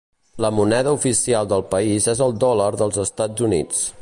La moneda oficial del país és el dòlar dels Estats Units.